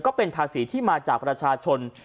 ก็เป็นภาษีที่มาจากประชาชน